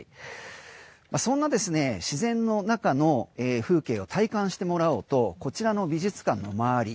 そんな自然の中の風景を体感してもらおうとこちらの美術館の周り